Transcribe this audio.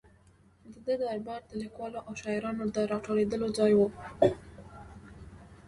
د ده دربار د لیکوالو او شاعرانو د را ټولېدو ځای و.